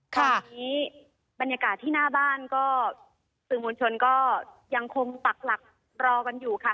ตอนนี้บรรยากาศที่หน้าบ้านก็สื่อมวลชนก็ยังคงปักหลักรอกันอยู่ค่ะ